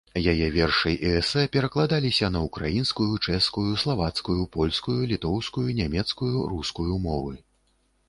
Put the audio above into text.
Яе вершы і эсэ перакладаліся на ўкраінскую, чэшскую, славацкую, польскую, літоўскую, нямецкую, рускую мовы.